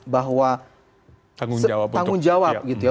bahwa tanggung jawab gitu ya